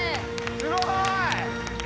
すごい！